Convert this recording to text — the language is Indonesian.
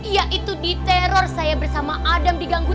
ya itu di teror saya bersama adam diganggu